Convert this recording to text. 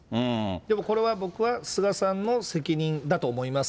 でもこれは僕は菅さんの責任だと思います。